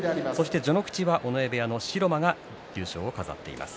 序ノ口は尾上部屋の城間が優勝を飾っています。